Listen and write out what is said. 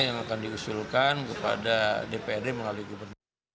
yang akan diusulkan kepada dprd melalui gubernur